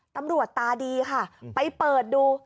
ตำรวจตาดีค่ะไปเปิดดู